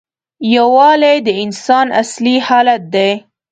یووالی د انسان اصلي حالت دی.